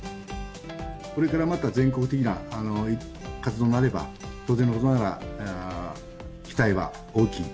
これからまた全国的な活動となれば、当然のことながら、期待は大きい。